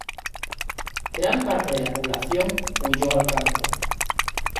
Gran parte de la población huyó al campo.